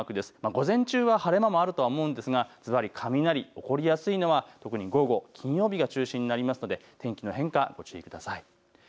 午前中は晴れ間もあると思うのですが、ずばり雷、起こりやすいのは特に午後、金曜日が中心になりますので天気の変化、ご注意ください。